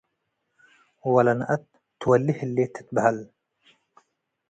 ወለነአት ትወልህ ህሌት ትትበሀል ።